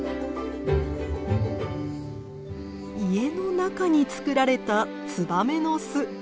家の中につくられたツバメの巣！